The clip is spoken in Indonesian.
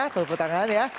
tepuk tangan ya